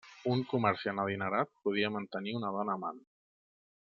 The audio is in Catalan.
Un comerciant adinerat podia mantenir una dona amant.